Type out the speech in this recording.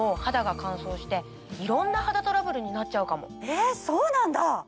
えっそうなんだ！